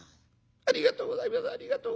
ありがとうございます。